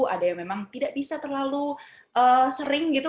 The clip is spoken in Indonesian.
ada yang memang tidak bisa terlalu sering gitu